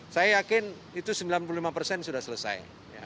saya yakin itu sembilan puluh lima persen sudah selesai